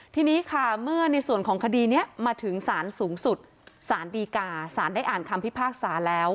ทีนี้ค่ะเมื่อในส่วนของคดีนี้มาถึงสารสูงสุดสารดีกาสารได้อ่านคำพิพากษาแล้ว